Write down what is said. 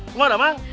semua ada bang